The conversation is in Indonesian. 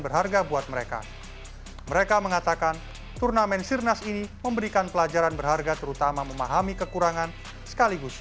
bagi laudia aura dewi dan natasha arin pemain pengprov pbsi jawa timur